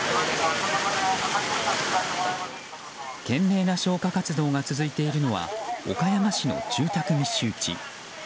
懸命な消火活動が続いているのは岡山市の住宅密集地。